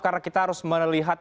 karena kita harus melihat